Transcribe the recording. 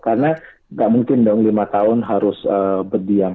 karena nggak mungkin dong lima tahun harus berdiam